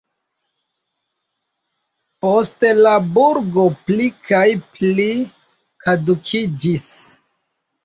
Poste la burgo pli kaj pli kadukiĝis.